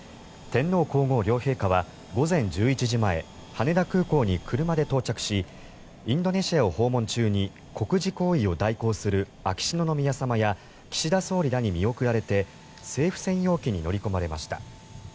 天皇・皇后両陛下は午前１１時前羽田空港に車で到着しインドネシアを訪問中に国事行為を代行する秋篠宮さまや岸田総理らに見送られて政府専用機に乗り込まれました。